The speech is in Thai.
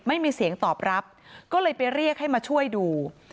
ไม่มีเสียงตอบรับก็เลยไปเรียกให้มาช่วยดู